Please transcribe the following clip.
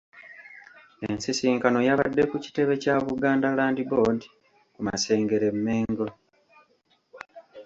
Ensisinkano yabadde ku kitebe kya Buganda Land Board ku Masengere, Mengo.